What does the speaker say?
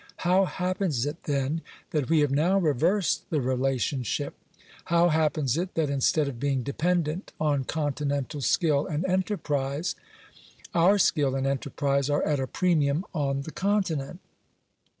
How happens it, then, that we have now reversed the relationship ? How happens it, that instead of being dependent on continental skill and enterprise, our skill and enterprise are at a premium on the Continent